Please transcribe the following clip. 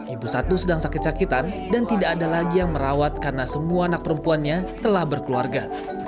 ibu satu sedang sakit sakitan dan tidak ada lagi yang merawat karena semua anak perempuannya telah berkeluarga